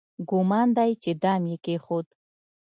ګومان دی چې دام یې کېښود.